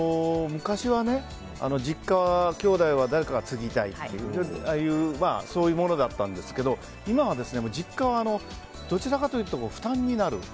昔は実家は、きょうだいが誰かが継ぎたいというそういうものだったんですけど今は実家はどちらかというと負担になる。